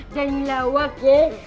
jangan lawak ya